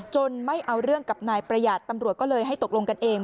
ไม่เอาเรื่องกับนายประหยัดตำรวจก็เลยให้ตกลงกันเอง